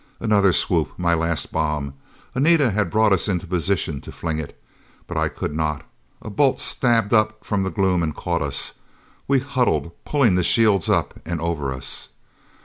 Another swoop. My last bomb. Anita had brought us into position to fling it. But I could not. A bolt stabbed up from the gloom and caught us. We huddled, pulling the shields up and over us.